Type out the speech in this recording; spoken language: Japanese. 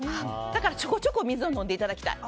だからちょこちょこ水を飲んでいただきたい。